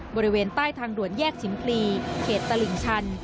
บริเวณใต้ทางด่วนแยกสินพลีเขตตลิ่งชัน